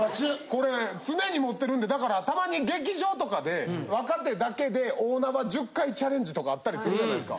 これ常に持ってるんでだからたまに劇場とかで若手だけで大縄１０回チャレンジとかあったりするじゃないですか。